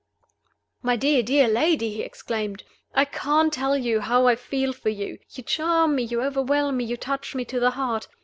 "My dear, dear lady!" he exclaimed, "I can't tell you how I feel for you! You charm me, you overwhelm me, you touch me to the heart.